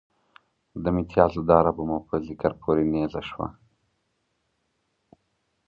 د متیازو داره به مو په ذکر پورې نیزه شوه.